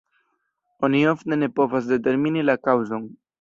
Oni ofte ne povas determini la kaŭzon.